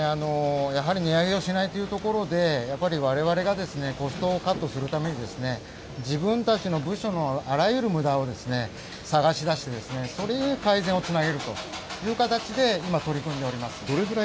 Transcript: やはり値上げをしないというところで、やっぱりわれわれがコストカットするために、自分たちの部署のあらゆるむだを探し出して、それに改善をつなげるという形で、今、取り組んでおります。